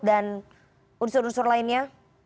dan unsur unsur lainnya